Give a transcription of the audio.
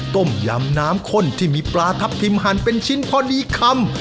ต้มยำน้ำข้นที่มีปลาทับทิมหั่นเป็นชิ้นพอดีคำ